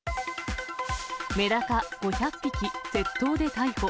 メダカ５００匹窃盗で逮捕。